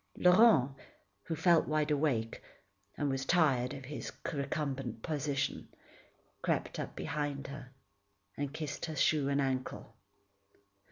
Laurent, who felt wide awake, and was tired of his recumbent position, crept up behind her and kissed her shoe and ankle.